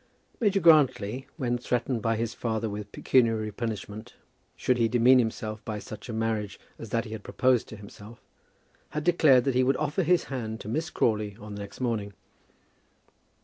Major Grantly, when threatened by his father with pecuniary punishment, should he demean himself by such a marriage as that he had proposed to himself, had declared that he would offer his hand to Miss Crawley on the next morning.